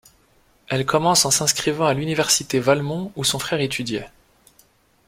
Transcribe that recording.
Elle commence en s'inscrivant à l'Université Valmont où son frère étudiait.